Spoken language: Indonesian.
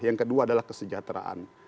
yang kedua adalah kesejahteraan